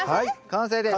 完成です。